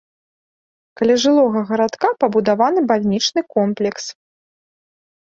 Каля жылога гарадка пабудаваны бальнічны комплекс.